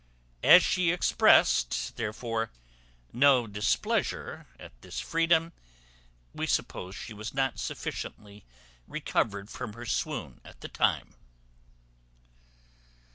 As she expressed, therefore, no displeasure at this freedom, we suppose she was not sufficiently recovered from her swoon at the time.